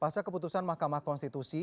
pasal keputusan mahkamah konstitusi